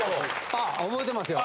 ああ覚えてますよ。